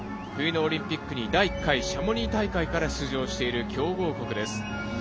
冬のオリンピックに第１回シャモニー大会から出場している強豪国です。